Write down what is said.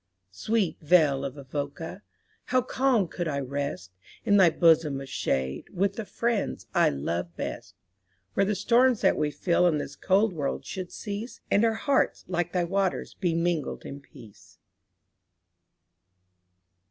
Sweet vale of Avoca! how calm could I rest In thy bosom of shade, with the friends I love best. Where the storms that we feel in this cold world should cease, And our hearts, like thy waters, be mingled in peace.